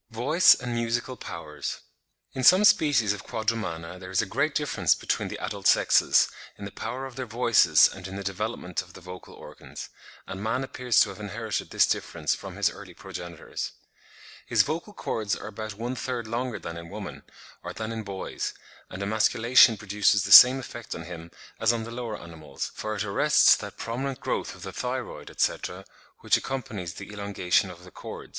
VOICE AND MUSICAL POWERS. In some species of Quadrumana there is a great difference between the adult sexes, in the power of their voices and in the development of the vocal organs; and man appears to have inherited this difference from his early progenitors. His vocal cords are about one third longer than in woman, or than in boys; and emasculation produces the same effect on him as on the lower animals, for it "arrests that prominent growth of the thyroid, etc., which accompanies the elongation of the cords."